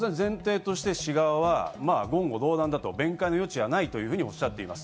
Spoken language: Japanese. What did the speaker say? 市側は言語道断だと弁解の余地はないとおっしゃっています。